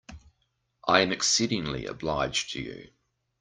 I am exceedingly obliged to you.